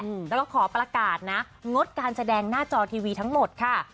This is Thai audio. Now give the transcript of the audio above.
แล้วก็ขอประกาศนะงดการแสดงหน้าจอทีวีทั้งหมดค่ะ